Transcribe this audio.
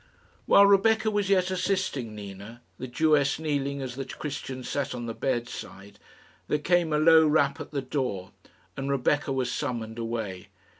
While Rebecca was yet assisting Nina the Jewess kneeling as the Christian sat on the bedside there came a low rap at the door, and Rebecca was summoned away.